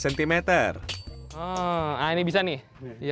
nah ini bisa nih